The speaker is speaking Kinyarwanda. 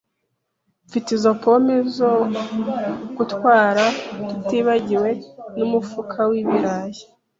Mfite izo pome zose zo gutwara, tutibagiwe n umufuka wibirayi.